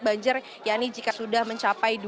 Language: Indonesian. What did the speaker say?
banjir ya ini jika sudah mencapai